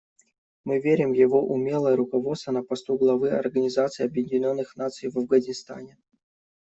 Мы верим в его умелое руководство на посту главы Организации Объединенных Наций в Афганистане.